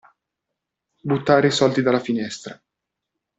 Buttare i soldi dalla finestra.